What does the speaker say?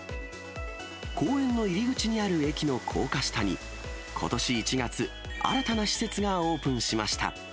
公園の入り口にある駅の高架下に、ことし１月、新たな施設がオープンしました。